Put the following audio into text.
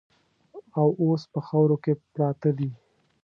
او اوس په خاورو کې پراته دي.